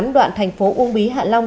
đoạn thành phố ung bí hạ long